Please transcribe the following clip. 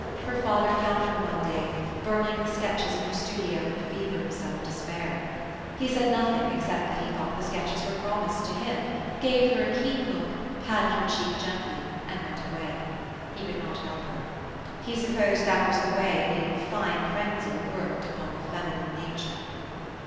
Her father found her one day, burning the sketches in her studio in a fever of self despair. He said nothing, except that he thought the sketches were promised to him, gave her a keen look, patted her cheek gently, and went away. He could not help her. He supposed that was the way the "fine frenzy" worked upon the feminine nature.